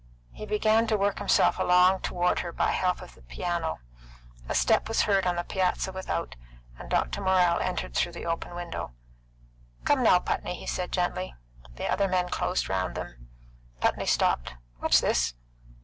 He began to work himself along toward her by help of the piano. A step was heard on the piazza without, and Dr. Morrell entered through the open window. "Come now, Putney," he said gently. The other men closed round them. Putney stopped. "What's this?